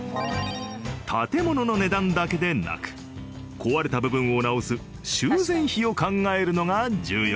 建物の値段だけでなく壊れた部分を直す修繕費を考えるのが重要。